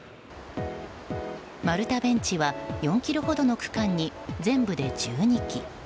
丸太ベンチは４ｋｍほどの区間に全部で１２基。